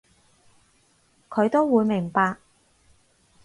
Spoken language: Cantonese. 佢都會明白